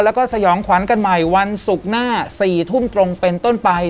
แล้วก็สยองขวัญกันใหม่วันศุกร์หน้า๔ทุ่มตรงเป็นต้นไป